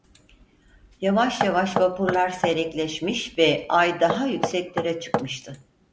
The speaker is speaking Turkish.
Yavaş yavaş vapurlar seyrekleşmiş ve ay daha yükseklere çıkmıştı.